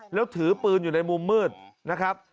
แล้วถือปืนอยู่ในมุมมืดนะครับ